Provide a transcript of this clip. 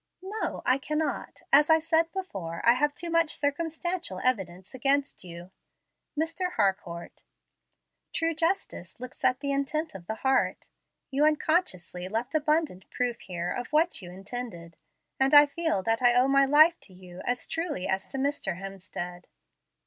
"No, I cannot. As I said before, I have too much circumstantial evidence against you. Mr. Harcourt, true justice looks at the intent of the heart. You unconsciously left abundant proof here of what you intended, and I feel that I owe my life to you as truly as to Mr. Hemstead.